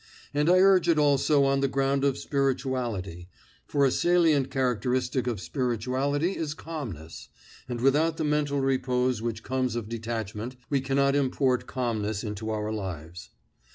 And I urge it also on the ground of spirituality, for a salient characteristic of spirituality is calmness, and without the mental repose which comes of detachment we cannot import calmness into our lives.